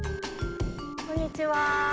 こんにちは。